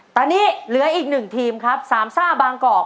ตอนนี้เหลืออีกหนึ่งทีมครับสามซ่าบางกอก